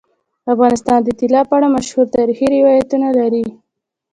افغانستان د طلا په اړه مشهور تاریخی روایتونه لري.